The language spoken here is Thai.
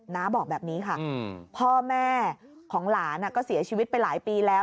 น้าบอกแบบนี้ค่ะพ่อแม่ของหลานก็เสียชีวิตไปหลายปีแล้ว